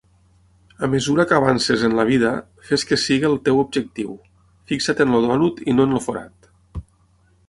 A mesura que avancis en la vida, fes que sigui el teu objectiu; fixa't en el dònut i no en el forat.